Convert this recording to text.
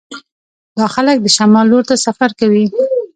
دا خلک د شمال لور ته سفر کوي